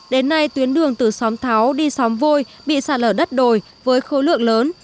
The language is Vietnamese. đến nay tuyến đường từ xóm tháo đi xóm vôi bị sạt lở đất đồi với khối lượng lớn